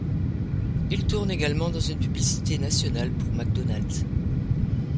Il tourne également dans une publicité nationale pour McDonald's.